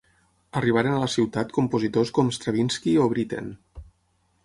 Arribaren a la ciutat compositors com Stravinski o Britten.